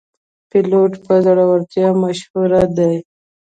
پیلوټ په زړورتیا مشهور دی.